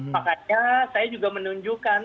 makanya saya juga menunjukkan